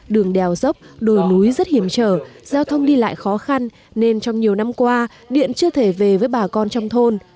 đường đèo dốc đồi núi rất hiểm trở giao thông đi lại khó khăn nên trong nhiều năm qua điện chưa thể về với bà con trong thôn